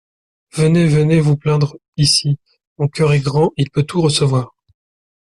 Venez, venez vous plaindre ici ! mon cœur est grand, il peut tout recevoir.